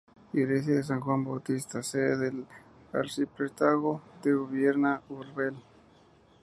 Iglesia de San Juan Bautista, sede del Arciprestazgo de Ubierna Úrbel.